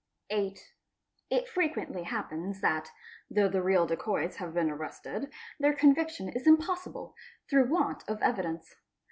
8. It frequently happens that, though the real dacoits have been arrested, their conviction is impossible through want of evidence.